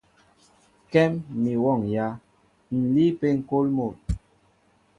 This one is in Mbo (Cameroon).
Kɛ́m mi wɔ́ŋyǎ, ǹ líí ápé ŋ̀kôl mol.